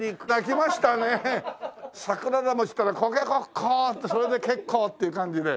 桜葉餅って言ったらコケコッコーってそれで結構！っていう感じで。